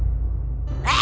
kami ini pasukan